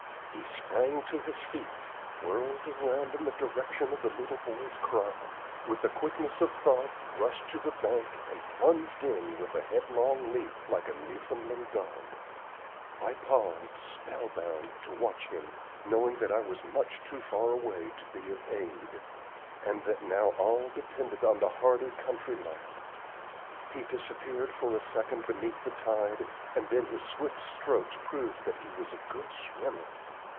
He sprang to his feet, whirled around in the direction of the little boy's cry, with the quickness of thought rushed to the bank and plunged in with a headlong leap like a Newfoundland dog. I paused, spellbound, to watch him, knowing that I was much too far away to be of aid, and that all now depended on the hardy country lad. He disappeared for a second beneath the tide, and then his swift strokes proved that he was a good swimmer.